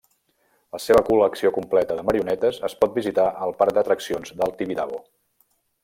La seva col·lecció completa de marionetes es pot visitar al Parc d'Atraccions del Tibidabo.